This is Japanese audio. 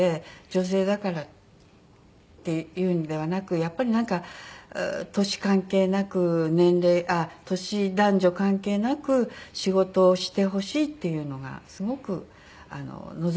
女性だからっていうんではなくやっぱりなんか年関係なく年男女関係なく仕事をしてほしいっていうのがすごく望みだったみたいです。